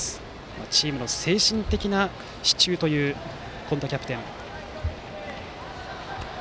チームの精神的な支柱という今田キャプテン。